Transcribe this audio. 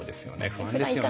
不安ですよね。